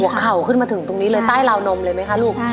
เข่าขึ้นมาถึงตรงนี้เลยใต้ราวนมเลยไหมคะลูก